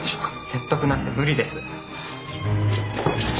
説得なんて無理です。